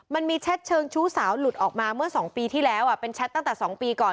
มันมีแชทเชิงชู้สาวหลุดออกมาเมื่อ๒ปีที่แล้วเป็นแชทตั้งแต่๒ปีก่อน